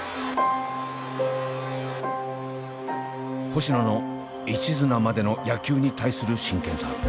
星野のいちずなまでの野球に対する真剣さ。